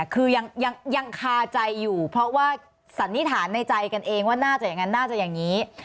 คือยังคาใจอยู่เพราะว่าสันนิษฐานในใจกันเอง